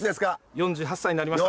４８歳になりました。